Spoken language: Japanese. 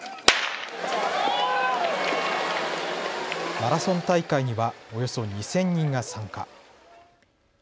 マラソン大会にはおよそ２０００人が参加。